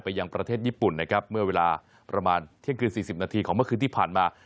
ยังประเทศญี่ปุ่นนะครับเมื่อเวลาประมาณเที่ยงคืน๔๐นาทีของเมื่อคืนที่ผ่านมา